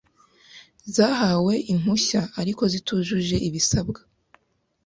zahawe impushya ariko zitujuje ibisabwa